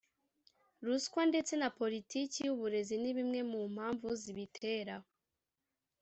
ruswa ndetse na politiki y’uburezi ni bimwe mu mpamvu zibitera